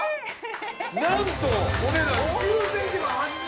なんとお値段。